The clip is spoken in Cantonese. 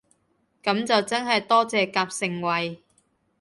噉就真係多謝夾盛惠